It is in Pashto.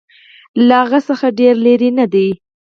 له هغه څخه ډېر لیري نه دی.